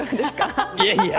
いやいや。